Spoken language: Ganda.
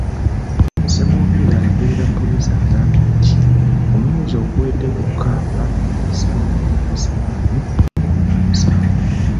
Ssemwogerere ayogerera poliisi agambye nti mu mwezi oguwedde gwokka baafuna emisango gy'obuliisa maanyi kkumi na musanvu.